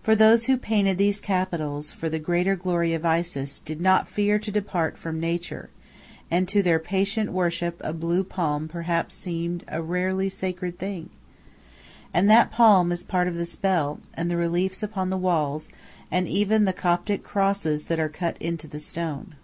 For those who painted these capitals for the greater glory of Isis did not fear to depart from nature, and to their patient worship a blue palm perhaps seemed a rarely sacred thing. And that palm is part of the spell, and the reliefs upon the walls and even the Coptic crosses that are cut into the stone.